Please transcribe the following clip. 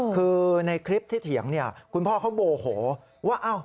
คือในคลิปที่เถียงเนี่ยคุณพ่อเขาโมโหว่า